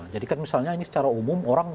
jadi kan misalnya ini secara umum orang